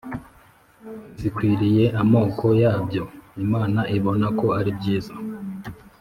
zikwiriye amoko yabyo. Imana ibona ko ari byiza.